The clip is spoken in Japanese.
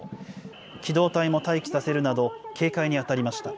機動隊も待機させるなど、警戒に当たりました。